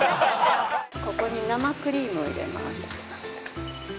ここに生クリームを入れます。